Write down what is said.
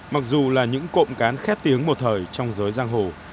mặc dù là những cộm cán khét tiếng một thời trong giới giang hồ